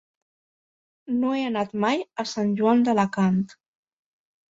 No he anat mai a Sant Joan d'Alacant.